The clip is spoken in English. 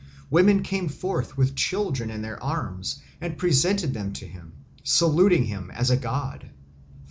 Women came forth with children in their arms and presented them to him, saluting him as a god.